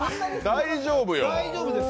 大丈夫よ。